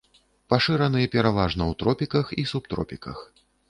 Пашыраны пераважна ў тропіках і субтропіках.